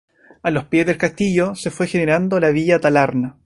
A los pies del castillo se fue generando la villa de Talarn.